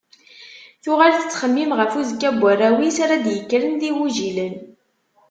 Tuɣal tettxemmim ɣef uzekka n warraw-is ara d-yekkren d igujilen.